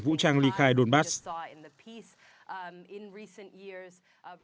vũ trang ly khai donbass